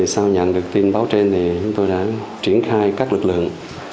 sau nhận được tin báo trên tôi đã triển khai các lực lượng